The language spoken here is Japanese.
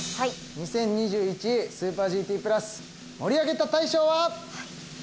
２０２１『ＳＵＰＥＲＧＴプラス』盛り上げた大賞は。